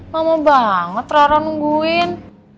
mama banget rara nungguin